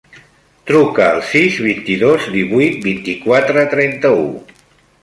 Truca al sis, vint-i-dos, divuit, vint-i-quatre, trenta-u.